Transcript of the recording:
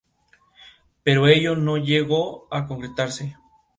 Pero ello no llegó a concretarse.